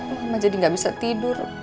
mama jadi gak bisa tidur